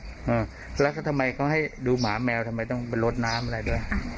อืมแล้วก็ทำไมเขาให้ดูหมาแมวทำไมต้องไปลดน้ำอะไรด้วย